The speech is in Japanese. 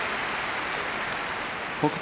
北勝